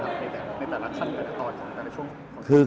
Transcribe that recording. ในแต่ละชั่นแต่ละตอนแต่ละช่วง